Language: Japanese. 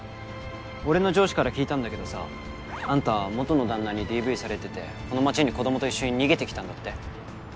俺の上司から聞いたんだけどさあんた元の旦那にＤＶされててこの街に子どもと一緒に逃げてきたんだって？